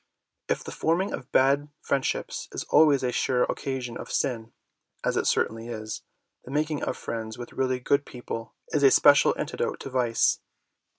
If the forming of bad friendships is always a sure occasion of sin, as it certainly is, the making friends with really good people is a special antidote to vice.